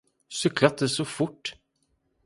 Cykla inte så fort!